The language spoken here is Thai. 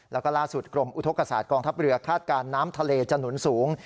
แล้วก็ล่าสุดกรมอุทธกศาสตกองทัพเรือคาดการณ์น้ำทะเลจะหนุนสูง